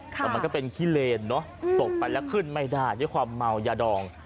แต่มันก็เป็นขี้เลนเนอะตกไปแล้วขึ้นไม่ได้ด้วยความเมายาดอง